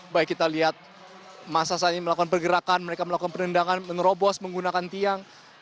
baik kita lihat masa saat ini melakukan pergerakan mereka melakukan penendangan menerobos menggunakan tiang